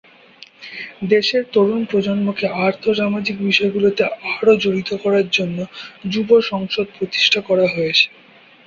দেশের তরুণ প্রজন্মকে আর্থসামাজিক বিষয়গুলোতে আরও জড়িত করার জন্য যুব সংসদ প্রতিষ্ঠা করা হয়েছে।